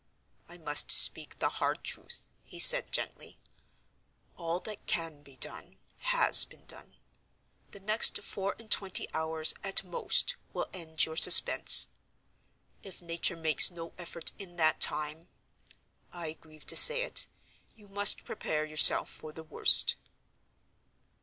"I must speak the hard truth," he said, gently. "All that can be done has been done. The next four and twenty hours, at most, will end your suspense. If Nature makes no effort in that time—I grieve to say it—you must prepare yourself for the worst."